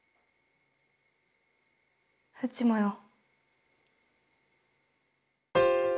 うちもよ。